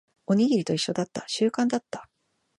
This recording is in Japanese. おにぎりと一緒だった。習慣だった。